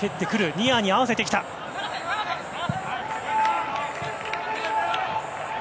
ニアに合わせてきました。